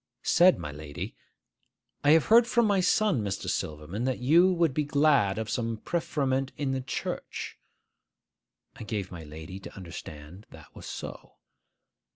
Said my lady, 'I have heard from my son, Mr. Silverman, that you would be glad of some preferment in the church.' I gave my lady to understand that was so.